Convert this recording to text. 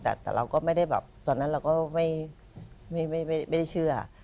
แต่เราก็ไม่ได้แบบตอนนั้นเราก็ไม่ได้เชื่อ